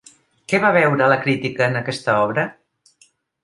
Què va veure la crítica en aquesta obra?